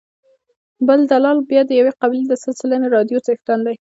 بل دلال بیا د یوې قبیلې د سل سلنې رایو څښتن دی.